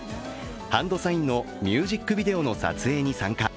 ＨＡＮＤＳＩＧＮのミュージックビデオの撮影に参加。